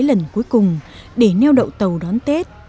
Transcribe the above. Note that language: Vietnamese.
lần cuối cùng để neo đậu tàu đón tết